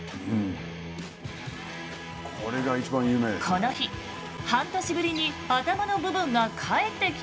この日半年ぶりに頭の部分が帰ってきたんです。